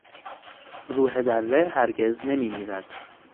روح دره هرگز نمیمیرد.